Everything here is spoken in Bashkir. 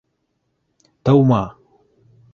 - Тыума!